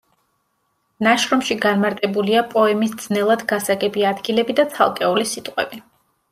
ნაშრომში განმარტებულია პოემის ძნელად გასაგები ადგილები და ცალკეული სიტყვები.